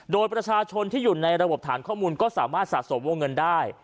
โดยประชาชนที่อยู่ในระบบฐานข้อมูลก็สามารถสะสมวงเงินได้